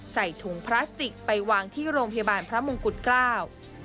ใส่ถุงพลาสติกไปวางที่โรงพยาบาลพระมงกุฎเกล้า